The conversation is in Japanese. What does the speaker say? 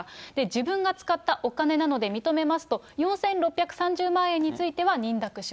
自分が使ったお金なので認めますと、４６３０万円については認諾